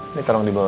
ini tolong dibawa ya